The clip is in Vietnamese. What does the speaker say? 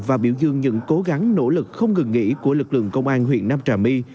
và biểu dương những cố gắng nỗ lực không ngừng nghỉ của lực lượng công an huyện nam trà my